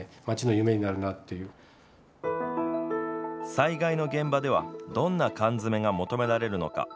災害の現場ではどんな缶詰が求められるのか。